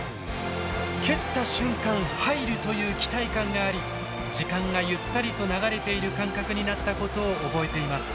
蹴った瞬間「入る」という期待感があり時間がゆったりと流れている感覚になったことを覚えています。